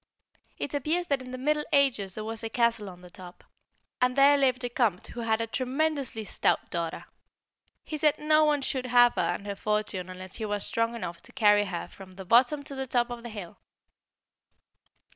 It appears that in the Middle Ages there was a castle on the top, and there lived a Comte who had a tremendously stout daughter. He said no one should have her and her fortune unless he was strong enough to carry her from the bottom to the top of the hill.